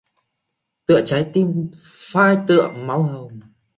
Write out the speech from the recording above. Tựa trái tim phai tựa máu hồng.